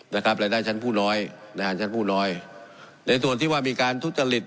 นะครับรายได้ชั้นผู้น้อยนะฮะชั้นผู้น้อยในส่วนที่ว่ามีการทุจริต